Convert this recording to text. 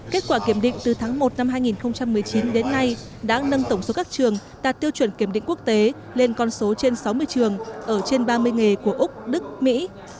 kết quả kiểm định từ tháng một năm hai nghìn một mươi chín đến nay đã nâng tổng số các trường đạt tiêu chuẩn kiểm định quốc tế lên con số trên sáu mươi trường ở trên ba mươi nghề của úc đức mỹ